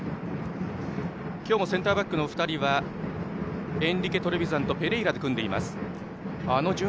今日もセンターバックの２人はエンリケ・トレヴィザンとペレイラで組んでいる大分。